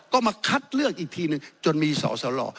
ก็มาคัดเลือกอีกทีหนึ่งจนมีสอสล